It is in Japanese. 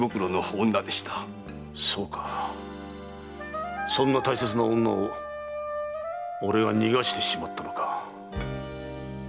そうかそんな大切な女を俺が逃がしてしまったのか。